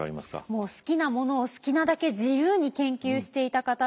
もう好きなものを好きなだけ自由に研究していた方っていう印象で。